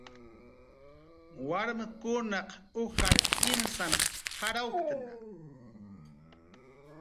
Warmkunaq ujar imsanq jarawuktna